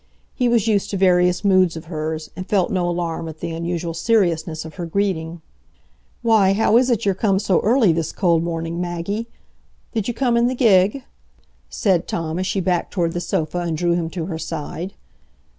He was used to various moods of hers, and felt no alarm at the unusual seriousness of her greeting. "Why, how is it you're come so early this cold morning, Maggie? Did you come in the gig?" said Tom, as she backed toward the sofa, and drew him to her side.